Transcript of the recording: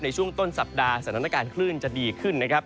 ในช่วงต้นสัปดาห์สถานการณ์คลื่นจะดีขึ้นนะครับ